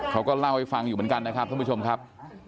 เขาก็เล่าให้ฟังอยู่เหมือนกันนะครับท่านผู้ชมครับ